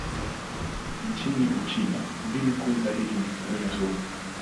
Nchini Uchina, mbinu kuu zaidi ni kunywa sumu.